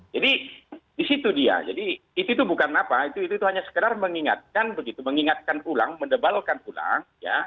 jadi di situ dia jadi itu itu bukan apa itu itu hanya sekedar mengingatkan begitu mengingatkan pulang mendebalkan pulang ya